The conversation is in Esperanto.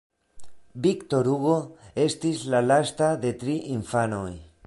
Victor Hugo estis la lasta de tri infanoj.